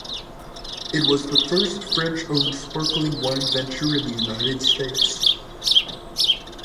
It was the first French-owned sparkling wine venture in the United States.